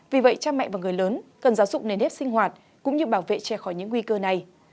vì vậy cha mẹ và người lớn cần giáo dục nền nếp sinh hoạt cũng như bảo vệ trẻ khỏi những nguy cơ này